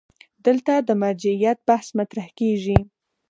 دلته د مرجعیت بحث مطرح کېږي.